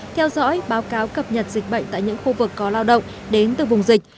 theo dõi báo cáo cập nhật dịch bệnh tại những khu vực có lao động đến từ vùng dịch